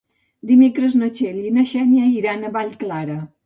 Dimecres na Txell i na Xènia iran a Vallclara.